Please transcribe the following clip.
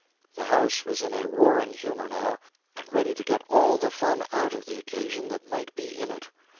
The house was in a roaring humour now, and ready to get all the fun out of the occasion that might be in it.